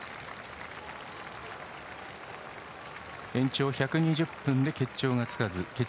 延長１２０分で決着がつかず。